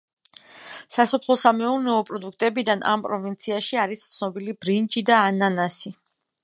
სასოფლო-სამეურნეო პროდუქტებიდან, ამ პროვინციაში არის ცნობილი ბრინჯი და ანანასი.